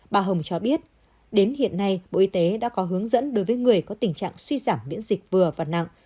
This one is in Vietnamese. bà hồng cho biết đến hiện nay bộ y tế đã có hướng dẫn đối với người có tình trạng suy giảm miễn dịch vừa và nặng